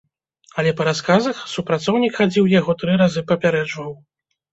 Але па расказах, супрацоўнік хадзіў яго тры разы папярэджваў.